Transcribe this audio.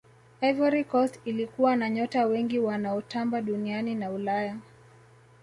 ivory coast ilikuwa na nyota wengi wanaotamba duniani na ulaya